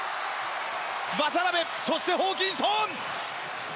渡邊そして、ホーキンソン！